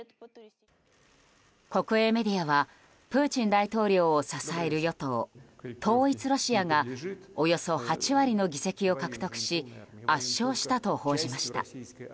国営メディアはプーチン大統領を支える与党・統一ロシアがおよそ８割の議席を獲得し圧勝したと報じました。